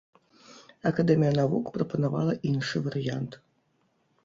Акадэмія навук прапанавала іншы варыянт.